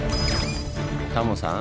タモさん